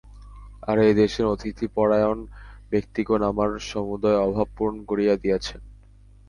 আর এ দেশের অতিথিপরায়ণ ব্যক্তিগণ আমার সমুদয় অভাব পূরণ করিয়া দিয়াছেন।